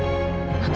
bapak itu lakukan